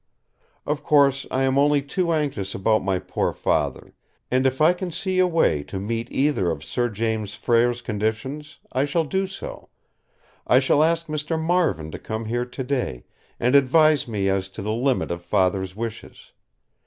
Of course, I am only too anxious about my poor Father; and if I can see a way to meet either of Sir James Frere's conditions, I shall do so. I shall ask Mr. Marvin to come here today, and advise me as to the limit of Father's wishes.